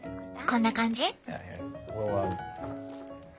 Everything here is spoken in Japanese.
こんな感じ？